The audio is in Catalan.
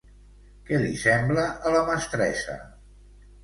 Què li sembla a la mestressa?